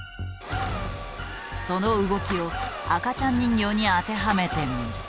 その動きを赤ちゃん人形に当てはめてみる。